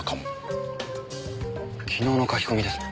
昨日の書き込みですね。